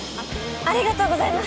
ありがとうございます。